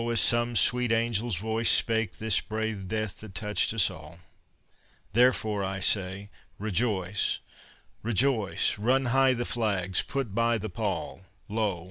as some sweet angel's voice Spake this brave death that touched us all. Therefore, I say, Rejoice! Rejoice! Run high the flags! Put by the pall! Lo!